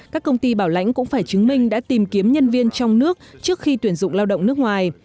các công ty bảo lãnh cũng phải chứng minh đã tìm kiếm nhân viên trong nước trước khi tuyển dụng lao động nước ngoài